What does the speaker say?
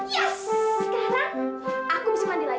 yes sekarang aku bisa mandi lagi